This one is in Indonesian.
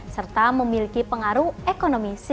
serta memiliki pengaruh ekonomi